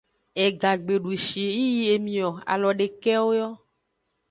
Ega gbe dushi yi yi emio, alo dekewo yo.